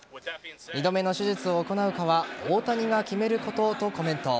２度目の手術を行うかは大谷が決めることとコメント。